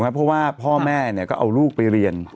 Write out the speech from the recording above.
เพราะว่าพ่อแม่ก็เอาลูกไปเรียน